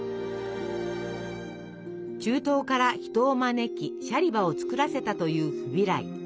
中東から人を招きシャリバを作らせたというフビライ。